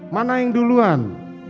mana yang duluan